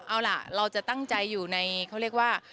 เอาล่ะเราจะตั้งใจอยู่ในเขาเรียกว่า